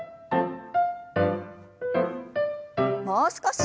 もう少し。